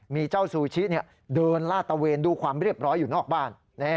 มีเจ้าซูชิเดินลาดตะเวนดูความเรียบร้อยอยู่นอกบ้าน